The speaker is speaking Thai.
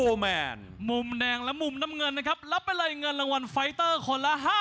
รับไปรายเงินรางวัลไฟเตอร์คนละ